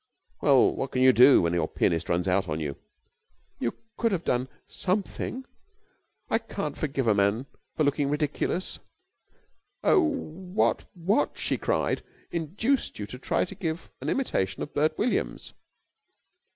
"Well, what can you do when your pianist runs out on you?" "You could have done something. I can't forgive a man for looking ridiculous. Oh, what, what," she cried, "induced you to try to give an imitation of Bert Williams?"